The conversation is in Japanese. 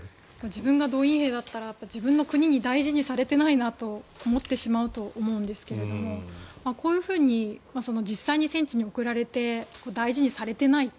自分が動員兵だったら自分の国に大事にされてないなと思ってしまうと思うんですがこういうふうに実際に戦地に送られて大事にされていない。